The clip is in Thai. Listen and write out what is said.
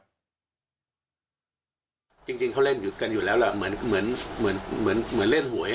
จริงเขาเล่นกันอยู่แล้วเหมือนเล่นหวย